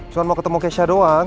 cuman mau ketemu kesha doang